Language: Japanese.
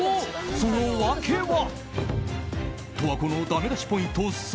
その訳は。